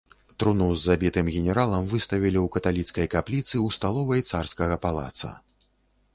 Труну з забітым генералам выставілі ў каталіцкай капліцы ў сталовай царскага палаца.